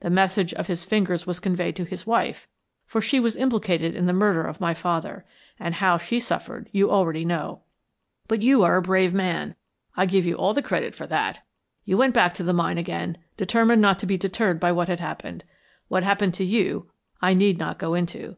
The message of his fingers was conveyed to his wife, for she was implicated in the murder of my father, and how she suffered you already know. But you are a brave man I give you all the credit for that. You went back to the mine again, determined not to be deterred by what had happened. What happened to you, I need not go into.